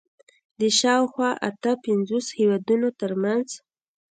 د شاوخوا اته پنځوس هېوادونو تر منځ